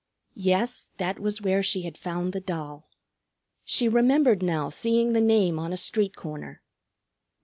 Yes, that was where she had found the doll. She remembered now seeing the name on a street corner.